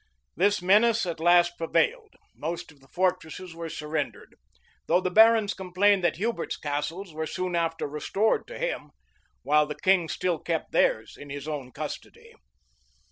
This menace at last prevailed: most of the fortresses were surrendered; though the barons complained that Hubert's castles were soon after restored to him, while the king still kept theirs in his own custody.